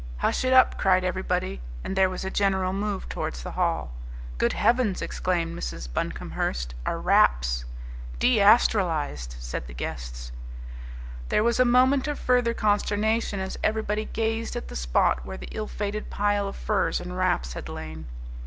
"Hush it up," cried everybody, and there was a general move towards the hall. "Good Heavens!" exclaimed Mrs. Buncomhearst; "our wraps!" "Deastralized!" said the guests. There was a moment of further consternation as everybody gazed at the spot where the ill fated pile of furs and wraps had lain.